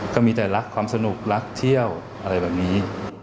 ก็มีแต่รักความสนุกรักเที่ยวอะไรแบบนี้